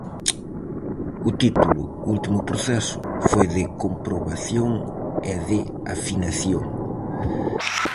O título "O último proceso" foi de comprobación e de afinación.